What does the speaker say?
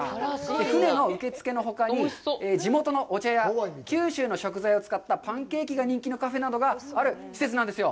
船の受け付けのほかに、地元のお茶や、九州の食材を使ったパンケーキが食べられる人気のカフェなどがある施設なんですよ。